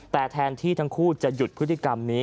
แต่แทนที่ทั้งคู่จะหยุดพฤติกรรมนี้